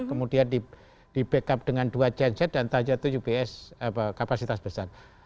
kemudian di backup dengan dua genset dan tajatuh ups kapasitas besar